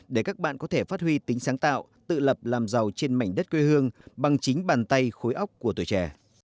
để các bạn có thể phát huy tính sáng tạo tự lập làm giàu trên mảnh đất quê hương bằng chính bàn tay khối ốc của tuổi trẻ